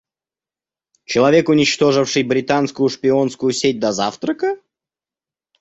Человек, уничтоживший британскую шпионскую сеть до завтрака?